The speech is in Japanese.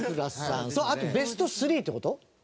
あと、ベスト３って事？